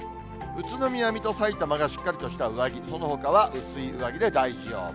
宇都宮、水戸、さいたまがしっかりとした上着、そのほかは薄い上着で大丈夫。